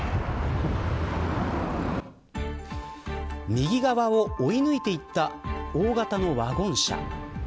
右側を追い抜いていった大型のワゴン車。